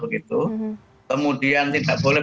kemudian tidak boleh